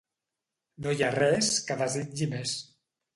No hi ha res que desitgi més.